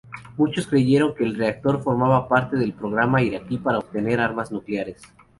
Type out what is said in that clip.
Muchos creyeron que el reactor formaba parte del programa iraquí para obtener armas nucleares.